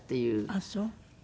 あっそう。